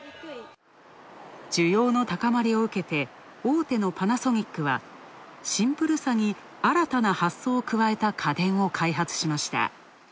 需要の高まりを受けて、大手のパナソニックはシンプルさに新たな発想を加えた家電を開発しました。